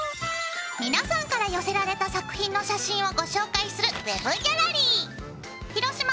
皆さんから寄せられた作品の写真をご紹介するＷＥＢギャラリー。